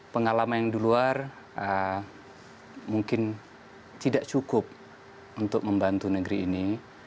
pengalaman yang di luar mungkin tidak cukup untuk membantu negeri ini